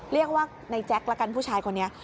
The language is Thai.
เรียกว่าในแจ๊คละกันผู้ชายคนนี้